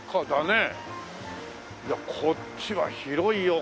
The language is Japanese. いやあこっちは広いよ